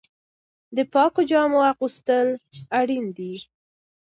د پاکو جامو اغوستل اړین دي.